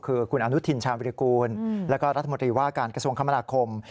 คือคุณอนุทินชาญวิริกูลแล้วก็รัฐมนตรีว่าการกระทรวงคมนาคม